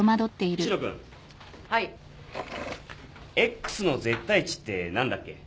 Ｘの絶対値って何だっけ？